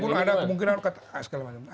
walaupun ada kemungkinan segala macam